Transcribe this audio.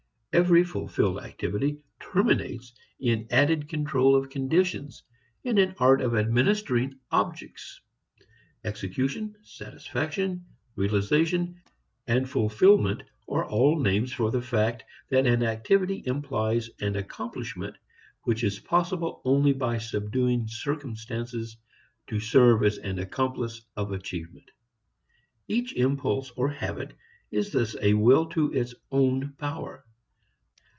Every fulfilled activity terminates in added control of conditions, in an art of administering objects. Execution, satisfaction, realization, fulfilment are all names for the fact that an activity implies an accomplishment which is possible only by subduing circumstance to serve as an accomplice of achievement. Each impulse or habit is thus a will to its own power.